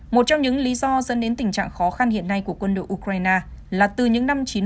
một trong những lý do dẫn đến tình trạng khó khăn hiện nay của quân đội ukraine là từ những năm chín trăm bảy